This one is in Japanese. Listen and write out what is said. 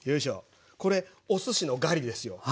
これおすしのガリですよ。